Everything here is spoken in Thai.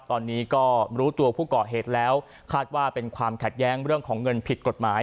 ตอนนี้ก็รู้ตัวผู้ก่อเหตุแล้วคาดว่าเป็นความขัดแย้งเรื่องของเงินผิดกฎหมาย